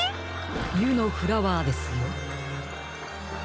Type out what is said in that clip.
ゆのフラワーですよ。